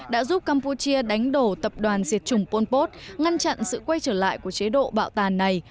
đã giúp campuchia đánh đổ tập đoàn diệt chủng pol pot ngăn chặn sự quay trở lại của chế độ bạo tàn này